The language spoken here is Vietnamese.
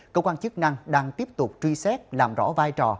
cơ quan chức năng đang tiếp tục truy xét làm rõ vai trò